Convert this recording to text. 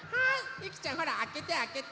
ゆきちゃんほらあけてあけて！